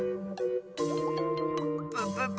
プププ。